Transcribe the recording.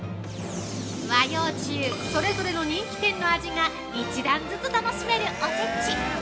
◆和洋中それぞれ人気店の味が１段ずつ楽しめるおせち。